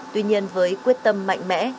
tuy nhiên với quyết tâm mạnh mẽ